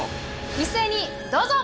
一斉にどうぞ！